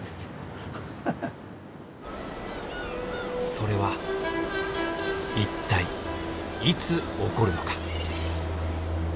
それは一体いつ起こるのか？